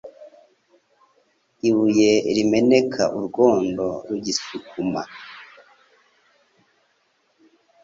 Ibuye rimeneka urwondo rugisukuma